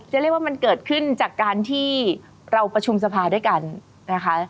เรียกว่ามันเกิดขึ้นจากการที่เราประชุมสภาด้วยกันนะคะ